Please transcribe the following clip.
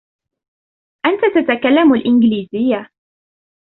أنت تتكلم الإنجليزيه.